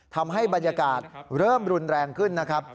ทำให้บรรยากาศเริ่มรุนแรงขึ้นนะครับ